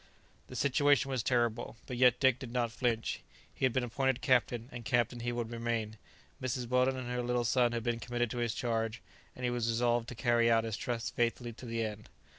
The situation was terrible, but yet Dick did not flinch; he had been appointed captain, and captain he would remain; Mrs. Weldon and her little son had been committed to his charge, and he was resolved to carry out his trust faithfully to the end.